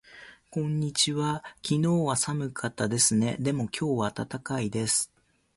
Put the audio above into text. こんにちは。昨日は寒かったですね。でも今日は暖かいです。